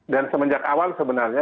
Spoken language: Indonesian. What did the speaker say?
dan semenjak awal sebenarnya